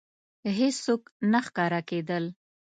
هېڅوک نه ښکاره کېدل.